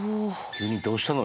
急にどうしたの？